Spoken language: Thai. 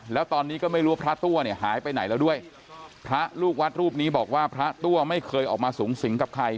แล้วตอนนี้ก็ไม่รู้ว่าพระตัวเนี่ยหายไปไหนแล้วด้วยพระลูกวัดรูปนี้บอกว่าพระตัวไม่เคยออกมาสูงสิงกับใคร